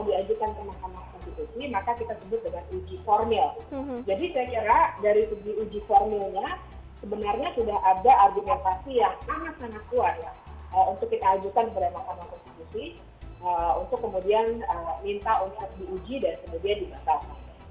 untuk kita ajukan kepada mahkamah konstitusi untuk kemudian minta untuk diuji dan kemudian dimataukan